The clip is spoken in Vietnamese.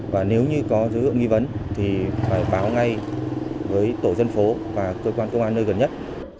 và nếu như có dấu hiệu nghi vấn thì phải báo ngay với tổ dân phố và cơ quan công an nơi gần nhất